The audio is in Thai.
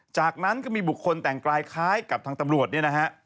จากนั้นก็มีบุคคลแต่งกลายคล้ายกับทางตำรวจ